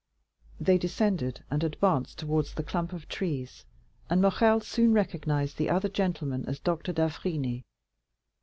They descended, and advanced towards the clump of trees, and Morrel soon recognized the other gentleman as Doctor d'Avrigny.